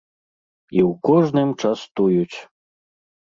І ў кожным частуюць!!!